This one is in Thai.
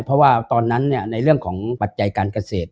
เพราะว่าตอนนั้นในเรื่องของปัจจัยการเกษตร